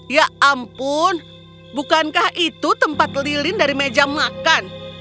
ya ampun bukankah itu tempat lilin dari meja makan